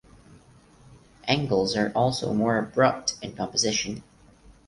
Angles are also more abrupt in composition.